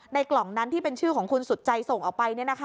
กล่องนั้นที่เป็นชื่อของคุณสุดใจส่งออกไป